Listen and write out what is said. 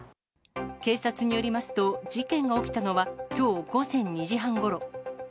警察によりますと、事件が起きたのはきょう午前２時半ごろ。